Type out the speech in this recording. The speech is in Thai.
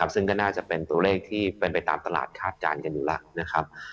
ซึ่งก็น่าจะเป็นตัวเลขที่เป็นไปตามตลาดคาดการณ์กันอยู่แล้วนะครับ